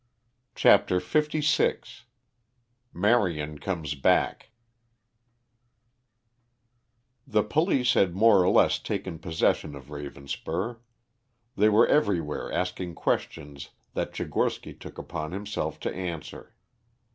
CHAPTER LVI MARION COMES BACK The police had more or less taken possession of Ravenspur. They were everywhere asking questions that Tchigorsky took upon himself to answer.